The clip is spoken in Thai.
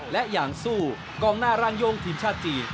และอย่างสู้กองหน้าร่างโย่งทีมชาติจีน